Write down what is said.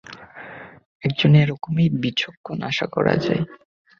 একজন এরকমই বিচক্ষণ, আশা করা যায়।